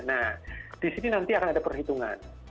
nah disini nanti akan ada perhitungan